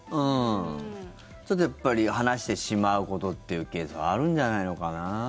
ちょっとやっぱり話してしまうことっていうケースはあるんじゃないのかな。